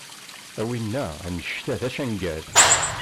A wina, anect-a d acangel.